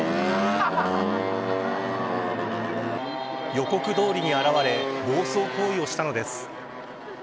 予告どおりに現れ暴走行為をしたのです。